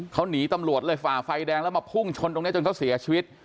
เขาหนีตำรวจเลยฝ่าไฟแดงแล้วมาพุ่งชนตรงนี้จนเขาเสียชีวิต